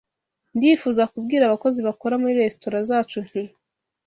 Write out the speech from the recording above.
Ndifuza kubwira abakozi bakora muri resitora zacu nti